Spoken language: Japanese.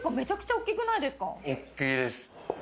大っきいです。